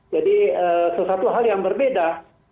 jadi sesuatu hal yang berbeda